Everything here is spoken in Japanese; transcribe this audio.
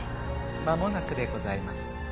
まもなくでございます。